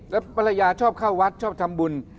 แล้วภรรยาชอบเข้าวัดชอบทำบุญ